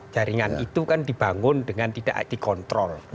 jaringan itu kan dibangun dengan tidak dikontrol